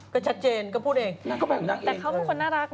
ก็ชัดเจนก็พูดเอง